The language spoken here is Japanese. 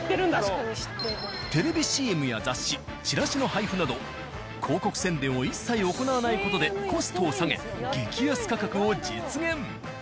テレビＣＭや雑誌チラシの配布など広告宣伝を一切行わない事でコストを下げ激安価格を実現。